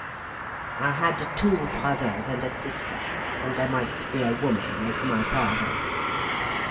I had two brothers and a sister—and there might be a woman with my father.